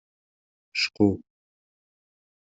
Cqu.